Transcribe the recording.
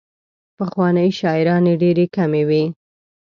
پخوانۍ شاعرانې ډېرې کمې وې.